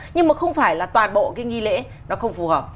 nhưng mà không phải là toàn bộ cái nghi lễ nó không phù hợp